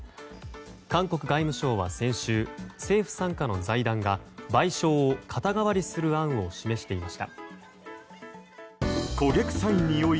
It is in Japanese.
韓国外務省は先週政府傘下の財団が賠償を肩代わりする案を示していました。